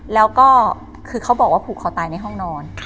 แล้วก็คือเขาบอกว่าผูกคอตายในห้องนอน